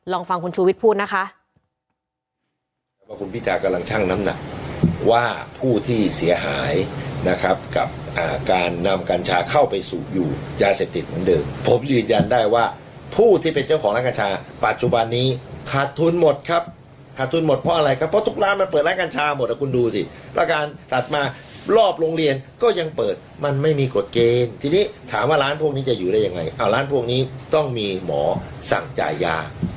ลองฟังคุณชูวิทย์พูดนะคะ